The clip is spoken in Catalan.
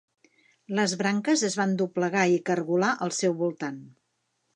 Les branques es van doblegar i cargolar al seu voltant.